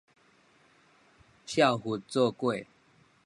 數佛做粿